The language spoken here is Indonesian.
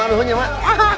wah duhun ya mak